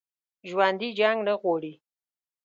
ژوندي جنګ نه غواړي